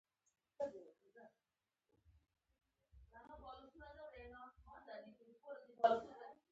غول د تودوخې بدلون ګڼي.